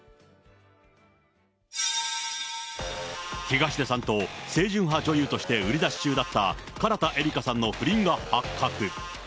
東出さんと清純派女優として売り出し中だった、唐田えりかさんの不倫が発覚。